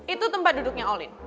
itu tempat duduknya olin